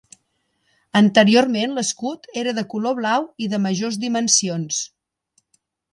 Anteriorment l'escut era de color blau i de majors dimensions.